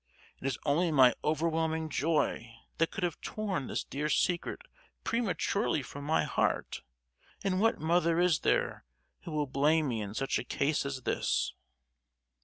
It is only my overwhelming joy that could have torn this dear secret prematurely from my heart: and what mother is there who will blame me in such a case as this?"